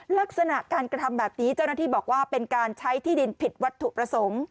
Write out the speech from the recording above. ลักษณะการกระทำแบบนี้เจ้าหน้าที่บอกว่าเป็นการใช้ที่ดินผิดวัตถุประสงค์